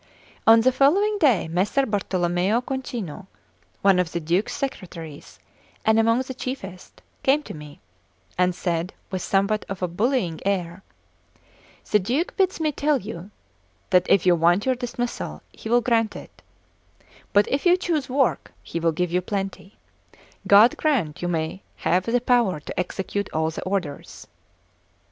On the following day Messer Bartolommeo Concino, one of the Duke's secretaries, and among the chiefest, came to me, and said with somewhat of a bullying air: "The Duke bids me tell you that if you want your dismissal, he will grant it; but if you choose work, he will give you plenty: God grant you may have the power to execute all he orders."